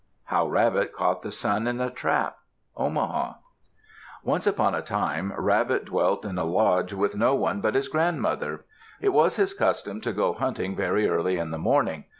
HOW RABBIT CAUGHT THE SUN IN A TRAP Omaha Once upon a time Rabbit dwelt in a lodge with no one but his grandmother. It was his custom to go hunting very early in the morning.